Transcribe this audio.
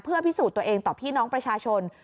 เพื่อพิสูจน์ตัวเองต่อพี่น้องประชาชน